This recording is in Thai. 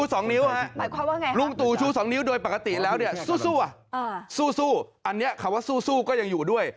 ซู่อ่ะซู่อันนี้คำว่าซู่ก็ยังอยู่ด้วย